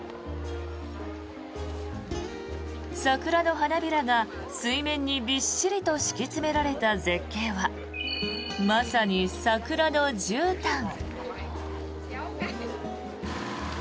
桜の花びらが水面にびっしりと敷き詰められた絶景はまさに、桜のじゅうたん。